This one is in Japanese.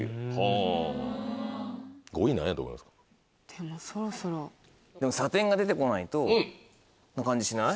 ・でもそろそろ・が出てこないとな感じしない？